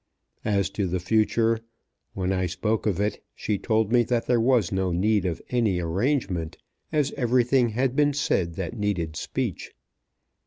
As to the future, when I spoke of it, she told me that there was no need of any arrangement, as everything had been said that needed speech.